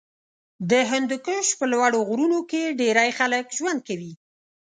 د هندوکش په لوړو غرونو کې ډېری خلک ژوند کوي.